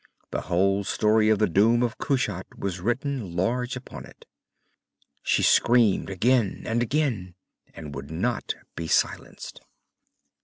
The whole story of the doom of Kushat was written large upon it. She screamed again and again, and would not be silenced.